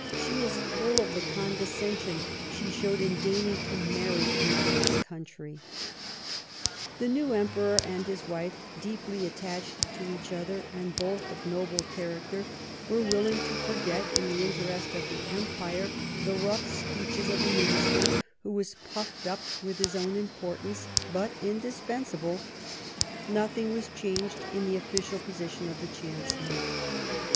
She is full of the condescension she showed in deigning to marry into our country." The new Emperor and his wife, deeply attached to each other and both of noble character, were willing to forget, in the interest of the Empire, the rough speeches of a Minister who was puffed up with his own importance, but indispensable ; nothing was changed in the official position of the Chancellor.